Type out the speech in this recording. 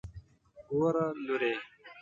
ګوره لورې.